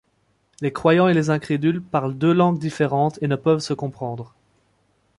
Les croyants et les incrédules parlent deux langues différentes et ne peuvent se comprendre.